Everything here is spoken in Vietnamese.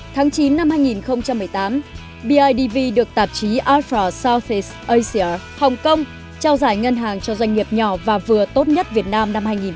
tháng chín năm hai nghìn một mươi tám bidv được tạp chí afro southeast asia hồng kông trao giải ngân hàng cho doanh nghiệp nhỏ và vừa tốt nhất việt nam